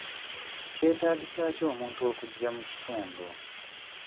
Kyetaagisa ki omuntu okugya mu kitundu?